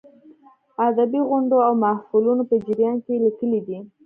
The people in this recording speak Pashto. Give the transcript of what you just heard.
ادبي غونډو او محفلونو په جریان کې یې لیکلې دي.